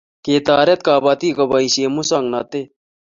Ketoret kapatik kupoishe musongnotet